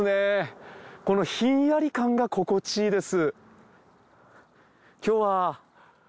このヒンヤリ感が心地いいです。